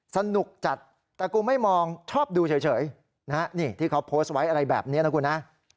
สนุกจัดแต่กูไม่มองชอบดูเฉยนะฮะนี่ที่เขาโพสต์ไว้อะไรแบบนี้นะคุณฮะ